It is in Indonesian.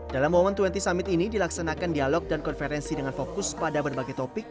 dalam women dua puluh summit ini dilaksanakan dialog dan konferensi dengan fokus pada berbagai topik